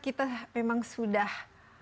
kita memang sudah